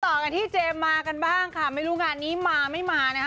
ต่อกันที่เจมส์มากันบ้างค่ะไม่รู้งานนี้มาไม่มานะคะ